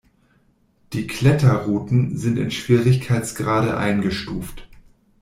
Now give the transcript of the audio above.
Die Kletterrouten sind in Schwierigkeitsgrade eingestuft.